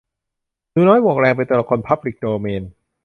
หนูน้อยหมวกแดง เป็นตัวละครพับลิกโดเมน